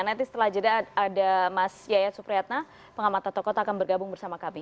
nanti setelah jeda ada mas yaya supriyatna pengamatan toko akan bergabung bersama kami